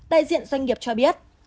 đại diện doanh nghiệp cho biết